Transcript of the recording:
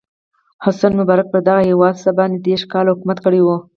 حسن مبارک پر دغه هېواد څه باندې دېرش کاله حکومت کړی و.